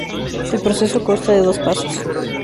El proceso consta de dos pasos.